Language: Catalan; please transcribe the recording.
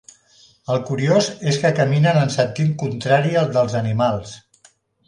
El curiós és que caminen en sentit contrari al dels animals.